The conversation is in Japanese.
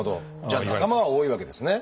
じゃあ仲間は多いわけですね。